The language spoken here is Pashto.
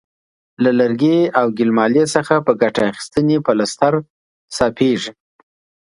له لرګي او ګل مالې څخه په ګټه اخیستنې پلستر صافیږي.